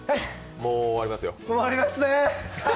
もう終わりますね。